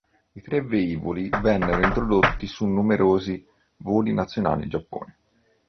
I tre velivoli vennero introdotti su numerosi voli nazionali in Giappone.